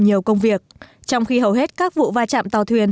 nhiều công việc trong khi hầu hết các vụ va chạm tàu thuyền